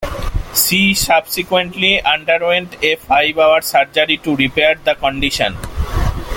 She subsequently underwent a five-hour surgery to repair the condition.